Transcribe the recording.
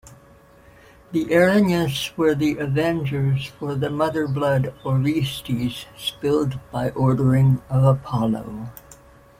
The Erinyes were the avengers for the mother-blood Orestes spilled by ordering of Apollo.